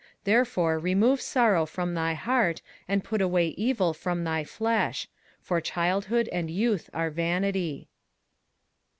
21:011:010 Therefore remove sorrow from thy heart, and put away evil from thy flesh: for childhood and youth are vanity.